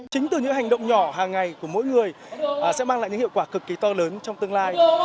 chính từ những hành động nhỏ hàng ngày của mỗi người sẽ mang lại những hiệu quả cực kỳ to lớn trong tương lai